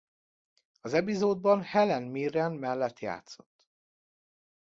Az epizódban Helen Mirren mellett játszott.